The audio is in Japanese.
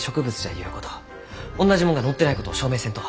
おんなじもんが載ってないことを証明せんと。